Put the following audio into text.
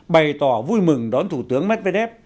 bày tỏ vui mừng đón thủ tướng medvedev